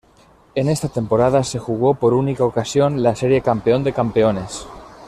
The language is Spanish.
En esta temporada se jugó por única ocasión la Serie Campeón de Campeones.